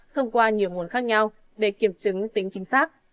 thông qua nhiều nguồn khác nhau để kiểm chứng tính chính xác